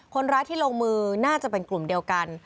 คนร้ายที่ลงมือน่าจะเป็นกลุ่มเดียวกัน